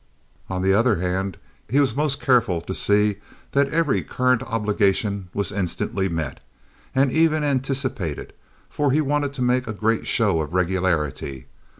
On the other hand, he was most careful to see that every current obligation was instantly met, and even anticipated, for he wanted to make a great show of regularity.